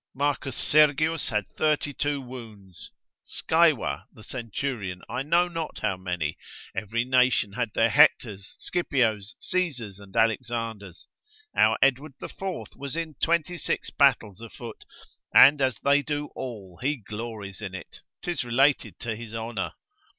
M. Sergius had 32 wounds; Scaeva, the Centurion, I know not how many; every nation had their Hectors, Scipios, Caesars, and Alexanders! Our Edward the Fourth was in 26 battles afoot: and as they do all, he glories in it, 'tis related to his honour.